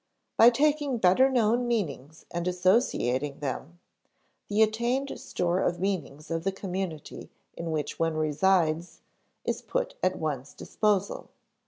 By taking better known meanings and associating them, the attained store of meanings of the community in which one resides is put at one's disposal.